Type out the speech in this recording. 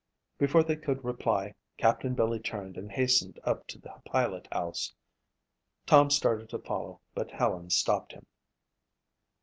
Before they could reply Captain Billy turned and hastened up to the pilot house. Tom started to follow but Helen stopped him.